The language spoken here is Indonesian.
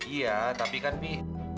iya tapi kan efi